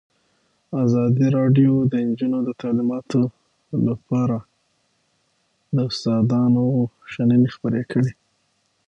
ازادي راډیو د تعلیمات د نجونو لپاره په اړه د استادانو شننې خپرې کړي.